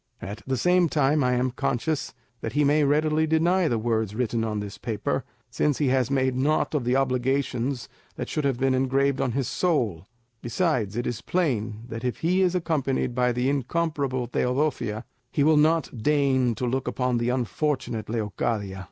At the same time I am conscious that he may readily deny the words written on this paper, since he has made nought of the obligations that should have been engraved on his soul; besides, it is plain that if he is accompanied by the incomparable Teodosia he will not deign to look upon the unfortunate Leocadia.